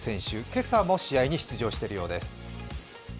今朝も試合に出場しているようです。